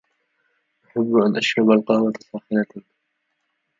أحب أن أشرب القهوة ساخنة